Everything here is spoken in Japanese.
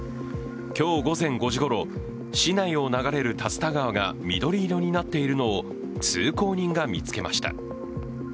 今日午前５時ごろ市内を流れる竜田川が緑色になっているのを通行人が見つけました。